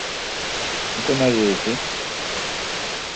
Mu ǩonari yezdi?